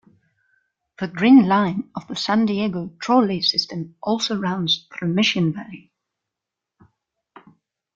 The Green Line of the San Diego Trolley system also runs through Mission Valley.